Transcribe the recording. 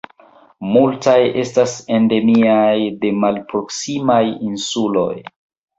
Multaj estas endemiaj de malproksimaj insuloj.